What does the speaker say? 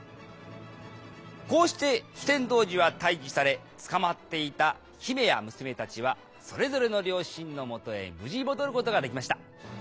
こうして酒呑童子は退治され捕まっていた姫や娘たちはそれぞれの両親のもとへ無事戻ることができました。